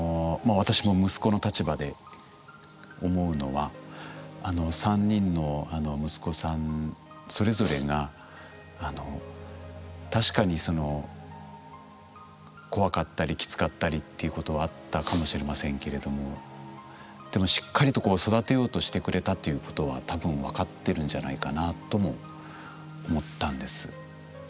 私も息子の立場で思うのはあの３人の息子さんそれぞれが確かにその怖かったりきつかったりっていうことはあったかもしれませんけれどもでもしっかりと育てようとしてくれたっていうことはたぶんわかってるんじゃないかなとも思ったんです。